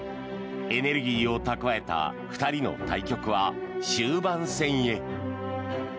エネルギーを蓄えた２人の対局は終盤戦へ。